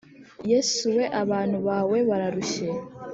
yesu we abantu bawe bararushye